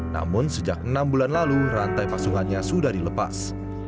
namun sejak enam bulan lalu rantai pasukannya sudah dilepas